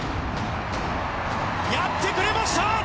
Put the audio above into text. やってくれました！